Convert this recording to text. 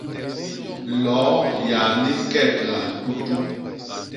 Loo yani kegla tutu.